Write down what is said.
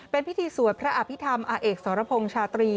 เป็นพิธีสวดพระอภิษฐรรมอาเอกสรพงษ์ชาตรี